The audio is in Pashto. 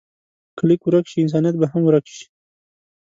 که لیک ورک شي، انسانیت به هم ورک شي.